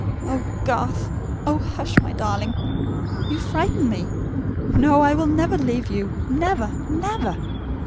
... Oh, Garth! ... Oh hush, my darling! ... You frighten me! ... No, I will never leave you; never, never!